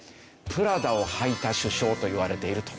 「プラダを履いた首相」といわれていると。